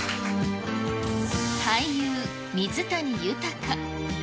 俳優、水谷豊。